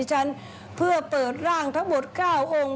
เอากล้องนะกล้อง